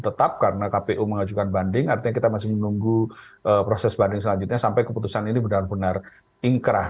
tetap karena kpu mengajukan banding artinya kita masih menunggu proses banding selanjutnya sampai keputusan ini benar benar ingkrah